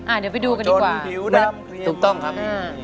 อ่าเดี๋ยวไปดูกันดีกว่าจนผิวดำเกียวไหมถูกต้องครับอ่า